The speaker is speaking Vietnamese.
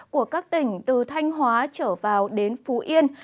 của các tỉnh từ thanh hóa trở vào đến phú yên